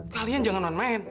kalian jangan main main